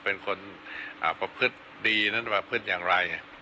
เป็นคนประพฤติดีนั้นประพฤติอย่างไร